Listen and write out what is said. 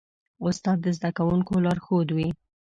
استاد د زدهکوونکو لارښود وي.